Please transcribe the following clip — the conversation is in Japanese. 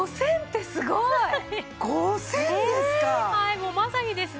もうまさにですね